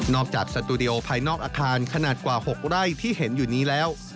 จากสตูดิโอภายนอกอาคารขนาดกว่า๖ไร่ที่เห็นอยู่นี้แล้ว